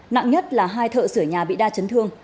nặng nhất là hai thợ sửa nhà bị đa chấn thương